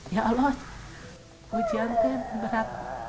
ya allah ujian kan berat